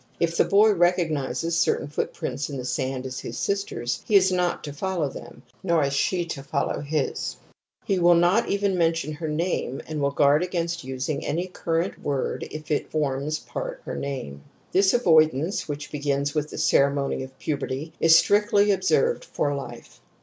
If the boy recognizes certain footprints in the sand as his sister's he is not to follow them, nor is she to follow his. He \ THE SAVAGE'S DREAD OF INCEST 17 will not even mention her name and will guard against using any current word if it forms part of her name. This avoidance, which \^ begins with the ceremony of puberty, is strictly observed for life.